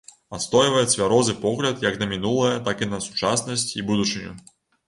Адстойвае цвярозы погляд як на мінулае, так і на сучаснасць і будучыню.